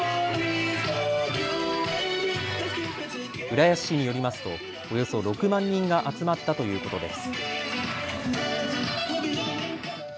浦安市によりますとおよそ６万人が集まったということです。